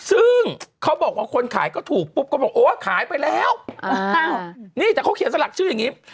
ซึ่งเขาบอกว่าคนขายก็ถูกปุ๊บก็บอกโอ้ขายไปแล้วนี่แต่เขาเขียนสลักชื่ออย่างนี้